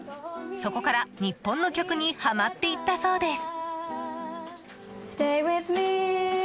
そこから日本の曲にはまっていったそうです。